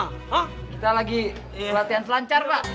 ah kita lagi latihan selancar pak